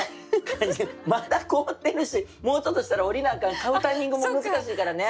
まだ凍ってるしもうちょっとしたら降りなあかん買うタイミングも難しいからね。